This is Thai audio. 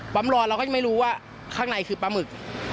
รอเราก็ยังไม่รู้ว่าข้างในคือปลาหมึก